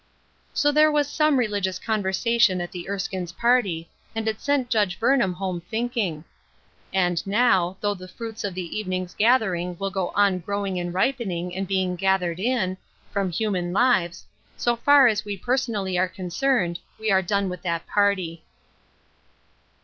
" So there was some religious conversation at the Erskines' party, and it sent Judge Burnham home thinking. And now, though the fruits of that evening's gathering will go on growing and ripening and being gathered in, from human lives, so far as we personally are concerned, we are done with that party.